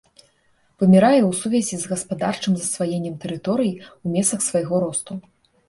Вымірае ў сувязі з гаспадарчым засваеннем тэрыторый у месцах свайго росту.